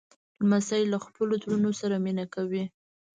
لمسی له خپلو ترونو سره مینه کوي.